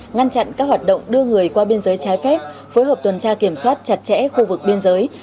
ngăn chặn các hoạt động đưa người qua biên giới trái phép phối hợp tuần tra kiểm soát chặt chẽ khu vực biên giới